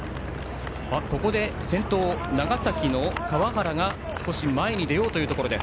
先頭、長崎の川原が少し前に出ようというところです。